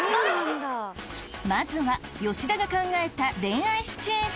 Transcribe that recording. まずは吉田が考えた。